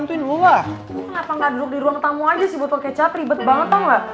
kenapa nggak duduk di ruang tamu aja sih butuh kecap ribet banget tau gak